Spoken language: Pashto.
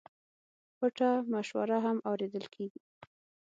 پټه مشوره هم اورېدل کېږي.